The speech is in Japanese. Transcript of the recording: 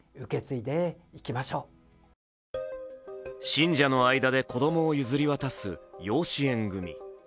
信者の間で子供を譲り渡す養子縁組。